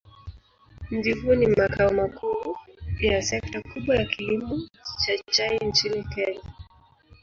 Mji huu ni makao makuu ya sekta kubwa ya kilimo cha chai nchini Kenya.